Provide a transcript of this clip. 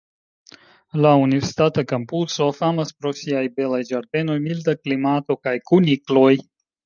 La universitata kampuso famas pro siaj belaj ĝardenoj, milda klimato kaj kunikloj.